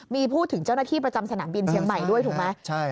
มีพูดถึงเจ้าหน้าที่ประจำสนามบินเชียงใหม่ด้วยถูกไหม